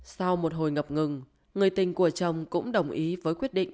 sau một hồi ngập ngừng người tình của chồng cũng đồng ý với quyết định